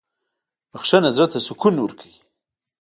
• بخښنه زړه ته سکون ورکوي.